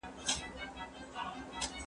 زه کتاب نه وړم،